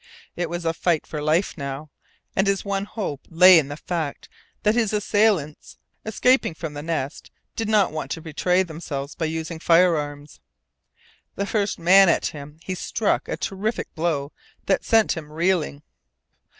It was a fight for life now, and his one hope lay in the fact that his assailants, escaping from the Nest, did not want to betray themselves by using firearms. The first man at him he struck a terrific blow that sent him reeling.